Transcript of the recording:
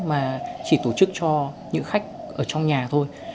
mà chỉ tổ chức cho những khách ở trong nhà thôi